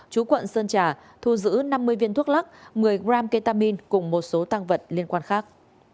chú quận sơn trà thu giữ năm mươi viên thuốc lắc một mươi gram ketamin cùng một số tăng vật liên quan khác